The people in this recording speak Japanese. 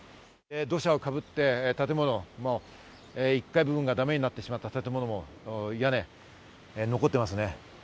土砂がかぶって建物、１階部分がだめになってしまった建物が残っていますね。